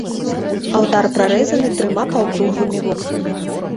Алтар прарэзаны трыма паўкруглымі вокнамі.